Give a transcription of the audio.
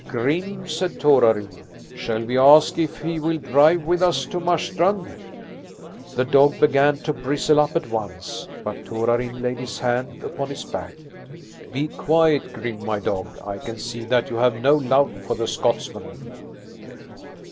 "Grim," said Torarin, "shall we ask if he will drive with us to Marstrand?" The dog began to bristle up at once, but Torarin laid his hand upon his back. "Be quiet, Grim, my dog! I can see that you have no love for the Scotsmen."